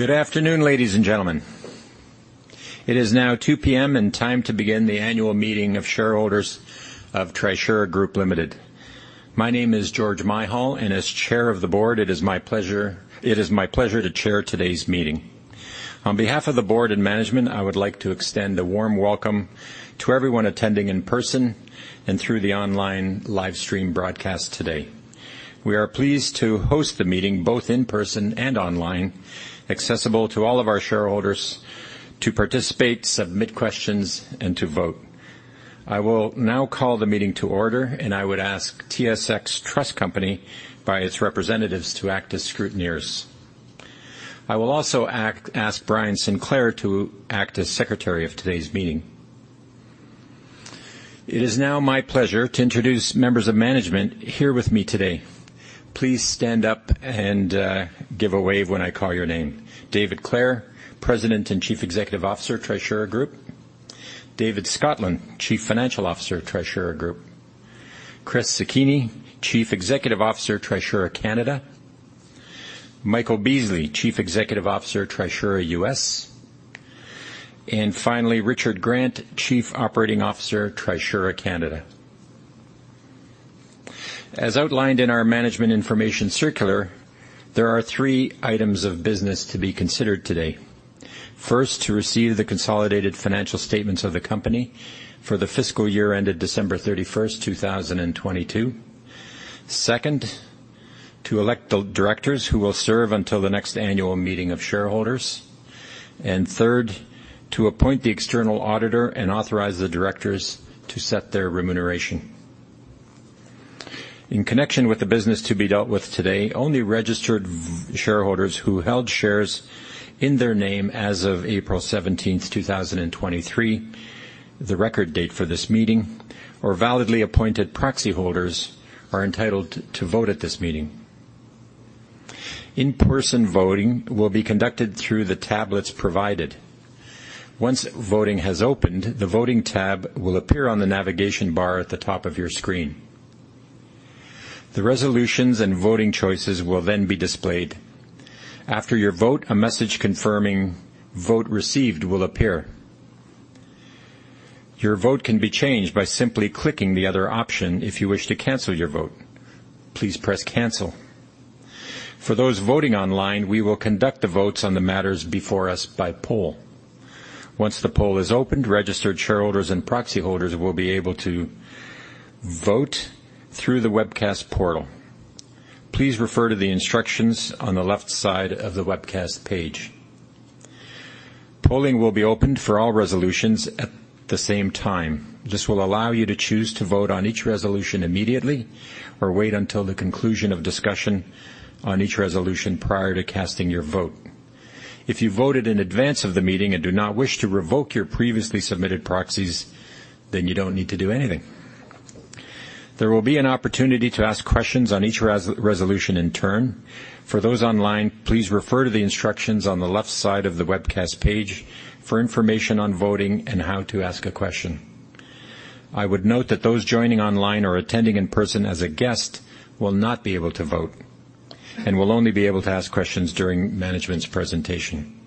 Good afternoon, ladies and gentlemen. It is now 2:00 P.M. and time to begin the annual meeting of shareholders of Trisura Group Ltd. My name is George Myhal, and as Chair of the Board, it is my pleasure to chair today's meeting. On behalf of the Board and Management, I would like to extend a warm welcome to everyone attending in person and through the online live stream broadcast today. We are pleased to host the meeting, both in person and online, accessible to all of our shareholders to participate, submit questions, and to vote. I will now call the meeting to order, and I would ask TSX Trust Company, by its representatives, to act as scrutineers. I will also ask Bryan Sinclair to act as Secretary of today's meeting. It is now my pleasure to introduce members of Management here with me today. Please stand up and give a wave when I call your name. David Clare, President and Chief Executive Officer, Trisura Group. David Scotland, Chief Financial Officer, Trisura Group. Chris Sekine, Chief Executive Officer, Trisura Canada. Michael Beasley, Chief Executive Officer, Trisura US. Finally, Richard Grant, Chief Operating Officer, Trisura Canada. As outlined in our management information circular, there are three items of business to be considered today. First, to receive the consolidated financial statements of the company for the fiscal year ended December 31st, 2022. Second, to elect the directors who will serve until the next annual meeting of shareholders. Third, to appoint the external auditor and authorize the directors to set their remuneration. In connection with the business to be dealt with today, only registered shareholders who held shares in their name as of April 17th, 2023, the record date for this meeting, or validly appointed proxy holders, are entitled to vote at this meeting. In-person voting will be conducted through the tablets provided. Once voting has opened, the voting tab will appear on the navigation bar at the top of your screen. The resolutions and voting choices will be displayed. After your vote, a message confirming, "Vote received," will appear. Your vote can be changed by simply clicking the other option. If you wish to cancel your vote, please press Cancel. For those voting online, we will conduct the votes on the matters before us by poll. Once the poll is opened, registered shareholders and proxy holders will be able to vote through the webcast portal. Please refer to the instructions on the left side of the webcast page. Polling will be opened for all resolutions at the same time. This will allow you to choose to vote on each resolution immediately or wait until the conclusion of discussion on each resolution prior to casting your vote. If you voted in advance of the meeting and do not wish to revoke your previously submitted proxies, you don't need to do anything. There will be an opportunity to ask questions on each resolution in turn. For those online, please refer to the instructions on the left side of the webcast page for information on voting and how to ask a question. I would note that those joining online or attending in person as a guest will not be able to vote, and will only be able to ask questions during management's presentation.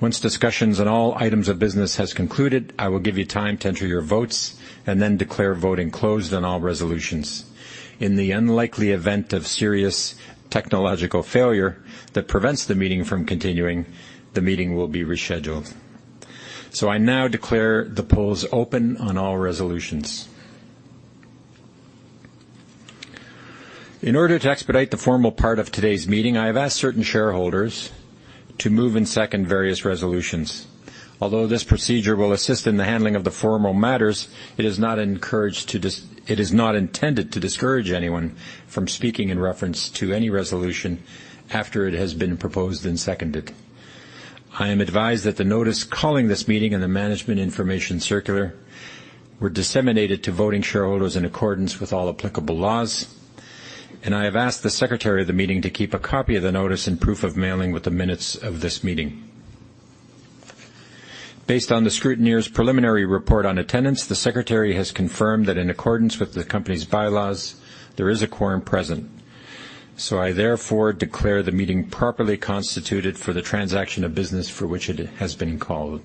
Once discussions on all items of business has concluded, I will give you time to enter your votes and then declare voting closed on all resolutions. In the unlikely event of serious technological failure that prevents the meeting from continuing, the meeting will be rescheduled. I now declare the polls open on all resolutions. In order to expedite the formal part of today's meeting, I have asked certain shareholders to move and second various resolutions. Although this procedure will assist in the handling of the formal matters, it is not intended to discourage anyone from speaking in reference to any resolution after it has been proposed and seconded. I am advised that the notice calling this meeting and the management information circular were disseminated to voting shareholders in accordance with all applicable laws, and I have asked the secretary of the meeting to keep a copy of the notice and proof of mailing with the minutes of this meeting. Based on the scrutineer's preliminary report on attendance, the secretary has confirmed that in accordance with the company's bylaws, there is a quorum present. I therefore declare the meeting properly constituted for the transaction of business for which it has been called.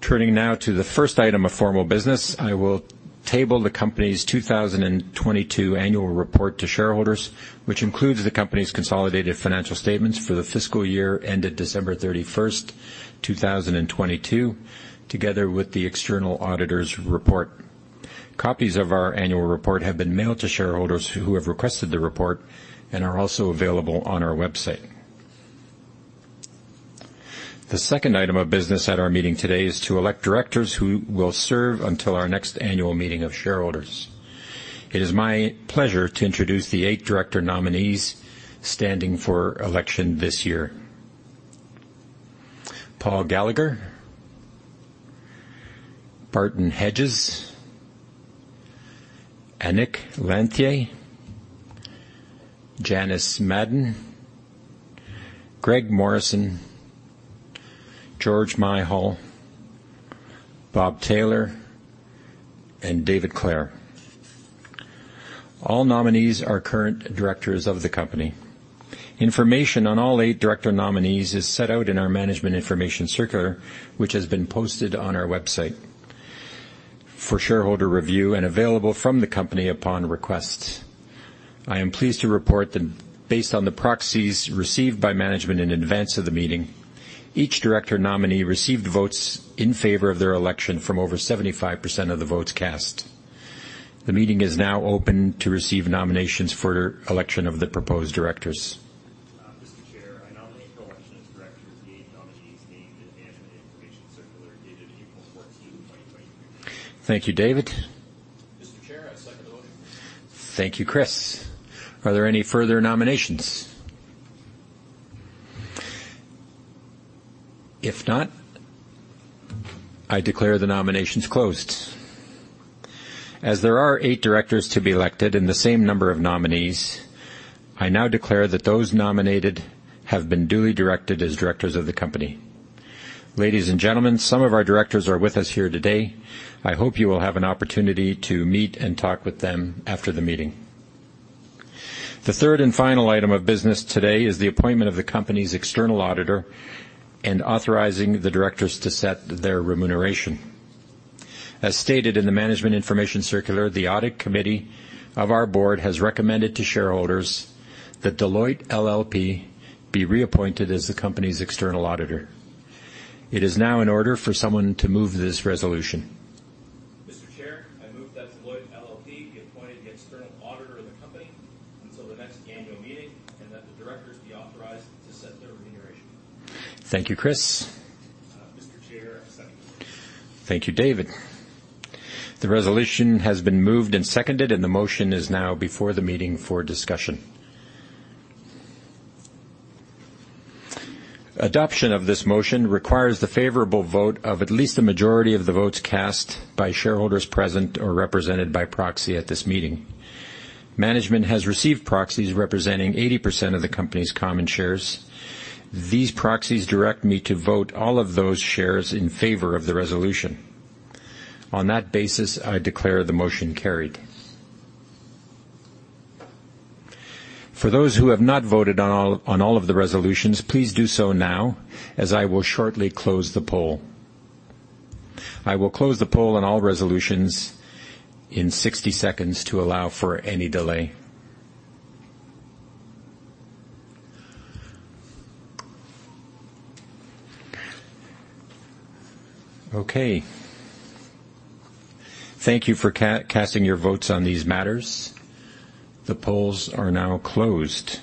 Turning now to the first item of formal business, I will table the company's 2022 annual report to shareholders, which includes the company's consolidated financial statements for the fiscal year ended December 31st, 2022, together with the external auditor's report. Copies of our annual report have been mailed to shareholders who have requested the report and are also available on our website. The second item of business at our meeting today is to elect directors who will serve until our next annual meeting of shareholders. It is my pleasure to introduce the eight director nominees standing for election this year. Paul Gallagher, Barton Hedges, Anik Lanthier, Janice Madon, Greg Morrison, George Myhal, Bob Taylor, and David Clare. All nominees are current directors of the company. Information on all eight director nominees is set out in our management information circular, which has been posted on our website for shareholder review and available from the company upon request. I am pleased to report that based on the proxies received by management in advance of the meeting, each director nominee received votes in favor of their election from over 75% of the votes cast. The meeting is now open to receive nominations for election of the proposed directors. Thank you, David. Thank you, Chris. Are there any further nominations? If not, I declare the nominations closed. As there are eight directors to be elected in the same number of nominees, I now declare that those nominated have been duly directed as directors of the company. Ladies and gentlemen, some of our directors are with us here today. I hope you will have an opportunity to meet and talk with them after the meeting. The third and final item of business today is the appointment of the company's external auditor and authorizing the directors to set their remuneration. As stated in the management information circular, the audit committee of our board has recommended to shareholders that Deloitte LLP be reappointed as the company's external auditor. It is now in order for someone to move this resolution. of the company until the next annual meeting, and that the directors be authorized to set their remuneration. Thank you, Chris. Thank you, David. The resolution has been moved and seconded, and the motion is now before the meeting for discussion. Adoption of this motion requires the favorable vote of at least a majority of the votes cast by shareholders present or represented by proxy at this meeting. Management has received proxies representing 80% of the company's common shares. These proxies direct me to vote all of those shares in favor of the resolution. On that basis, I declare the motion carried. For those who have not voted on all of the resolutions, please do so now, as I will shortly close the poll. I will close the poll on all resolutions in 60 seconds to allow for any delay. Okay. Thank you for casting your votes on these matters. The polls are now closed.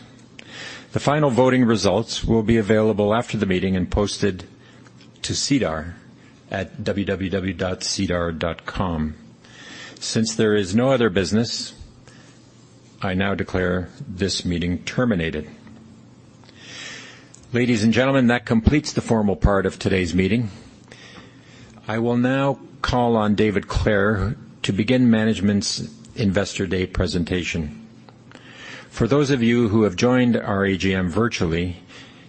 The final voting results will be available after the meeting and posted to SEDAR at www.sedar.com. Since there is no other business, I now declare this meeting terminated. Ladies and gentlemen, that completes the formal part of today's meeting. I will now call on David Clare to begin management's Investor Day presentation. For those of you who have joined our AGM virtually,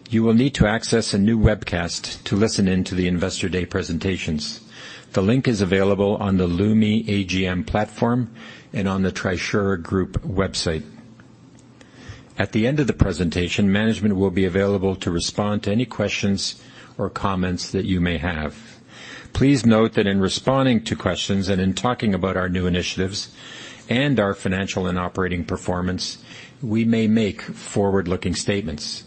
you will need to access a new webcast to listen in to the Investor Day presentations. The link is available on the Lumi AGM platform and on the Trisura Group website. At the end of the presentation, management will be available to respond to any questions or comments that you may have. Please note that in responding to questions and in talking about our new initiatives and our financial and operating performance, we may make forward-looking statements.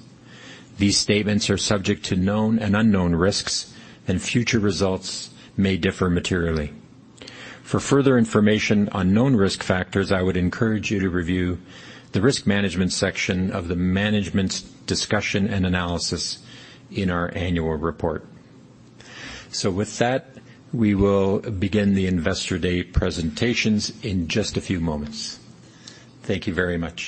These statements are subject to known and unknown risks, and future results may differ materially. For further information on known risk factors, I would encourage you to review the risk management section of the management's discussion and analysis in our annual report. With that, we will begin the Investor Day presentations in just a few moments. Thank you very much.